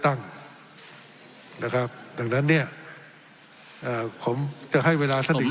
ทั้งสองกรณีผลเอกประยุทธ์